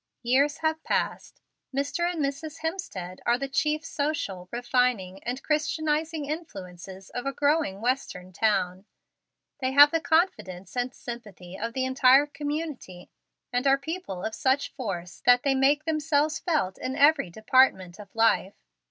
Years have passed. Mr. and Mrs. Hemstead are the chief social, refining, and Christianizing influences of a growing Western town. They have the confidence and sympathy of the entire community, and are people of such force that they make themselves felt in every department of life.